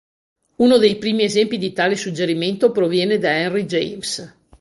Uno dei primi esempi di tale suggerimento proviene da Henry James.